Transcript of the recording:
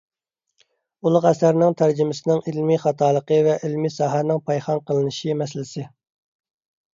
ئۇلۇغ ئەسەرنىڭ تەرجىمىسىنىڭ ئىلمىي خاتالىقى ۋە ئىلمىي ساھەنىڭ پايخان قىلىنىشى مەسىلىسى